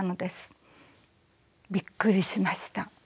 びっくりしました。